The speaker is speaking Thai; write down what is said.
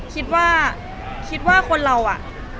คิดว่าคุณคนเราอ่ะ